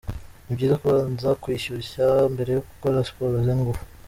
Ni byiza kubanza kwishyushya mbere yo gukora siporo z’ingufu.